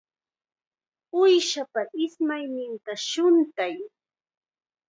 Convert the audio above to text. Uushapa ismayninta shuntay.